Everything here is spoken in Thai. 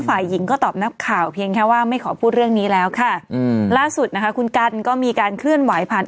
พี่ก็แผลพาไปเรื่องนู้นเลย